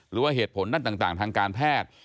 หรือว่าเหตุผลด้านต่างทางการแพทย์